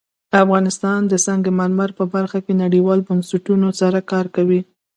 افغانستان د سنگ مرمر په برخه کې نړیوالو بنسټونو سره کار کوي.